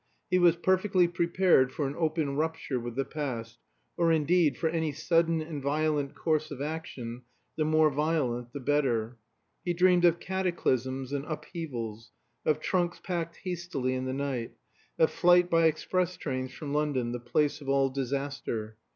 He was perfectly prepared for an open rupture with the past, or, indeed, for any sudden and violent course of action, the more violent the better. He dreamed of cataclysms and upheavals, of trunks packed hastily in the night, of flight by express trains from London, the place of all disaster.